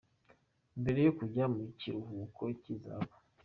Mbere yo kujya mu kiruhuko cy’izabuku.